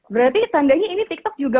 berarti tandanya ini tiktok juga